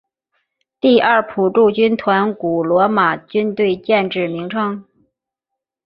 第二辅助军团古罗马军队建制名称。